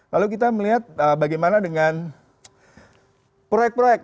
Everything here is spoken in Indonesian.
lalu kita melihat bagaimana dengan proyek proyek